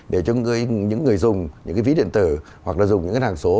để cho những người dùng những cái ví điện tử hoặc là dùng những cái hàng số